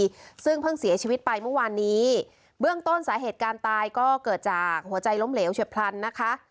ซึ่งเพิ่งเสียชีวิตไปเมื่อวานนี้เบื้องต้นสาเหตุการณ์ตายก็เกิดจากหัวใจล้มเหลวเฉียบพลันนะคะ